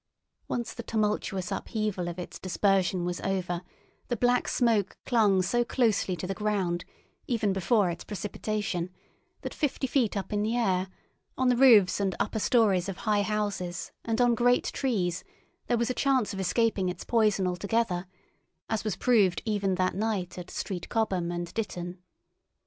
Once the tumultuous upheaval of its dispersion was over, the black smoke clung so closely to the ground, even before its precipitation, that fifty feet up in the air, on the roofs and upper stories of high houses and on great trees, there was a chance of escaping its poison altogether, as was proved even that night at Street Cobham and Ditton.